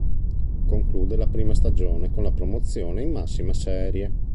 Conclude la prima stagione con la promozione in massima serie.